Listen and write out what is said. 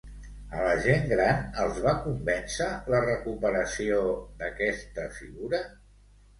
A la gent gran els va convèncer la recuperació d'aquesta figura?